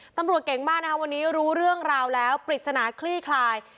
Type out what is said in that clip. ตำรวจเก่งมากนะคะวันนี้รู้เรื่องราวแล้วปริศนาคลี่คลาย